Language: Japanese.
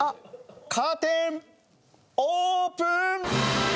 カーテンオープン！